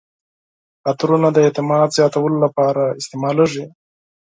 عطرونه د اعتماد زیاتولو لپاره استعمالیږي.